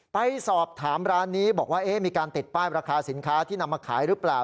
ไปสอบถามร้านนี้บอกว่ามีการติดป้ายราคาสินค้าที่นำมาขายหรือเปล่า